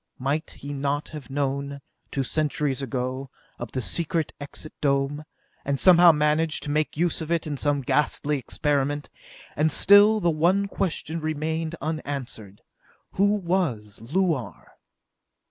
Might he not have known, two centuries ago, of the Secret Exit Dome, and somehow managed to make use of it in some ghastly experiment? And still the one question remained unanswered: Who was Luar?